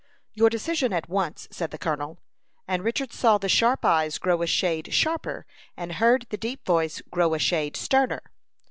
"Your decision at once," said the colonel; and Richard saw the sharp eyes grow a shade sharper, and heard the deep voice grow a shade sterner.